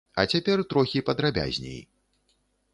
А цяпер трохі падрабязней.